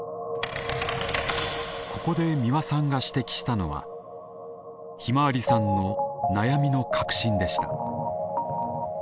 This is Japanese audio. ここで美輪さんが指摘したのはひまわりさんの悩みの核心でした。